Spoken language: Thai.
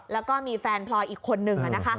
แล้วก็มีแฟนพลอยอีกคนนึง